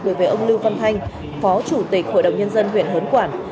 đối với ông lưu văn thanh phó chủ tịch hội đồng nhân dân huyện hớn quản